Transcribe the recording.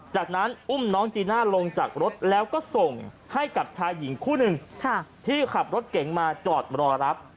จากนั้นอุ้มน้องจีน่าลงจากรถแล้วก็ส่งให้กับชายหญิงคู่หนึ่งที่ขับรถเก๋งมาจอดรอรับ